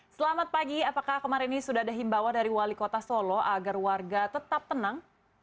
selamat pagi apakah kemarin ini sudah ada himbawan dari wali kota solo agar warga tetap tenang